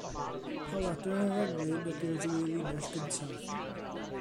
Paladr yr englyn ydy'r ddwy linell gyntaf.